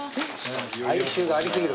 哀愁がありすぎる。